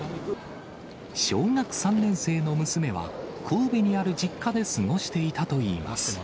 小学３年生の娘は、神戸にある実家で過ごしていたといいます。